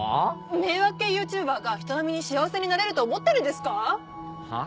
迷惑系ＹｏｕＴｕｂｅｒが人並みに幸せになれると思ってるんですかぁ？